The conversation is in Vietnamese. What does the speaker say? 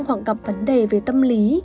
hoặc gặp vấn đề về tâm lý